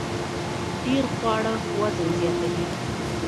ډیر خواړه وزن زیاتوي